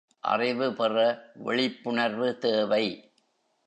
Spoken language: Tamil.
அறிவு பெற விழிப்புணர்வு தேவை.